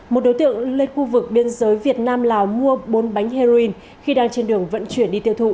một đối tượng lên khu vực biên giới việt nam lào mua bốn bánh heroin khi đang trên đường vận chuyển đi tiêu thụ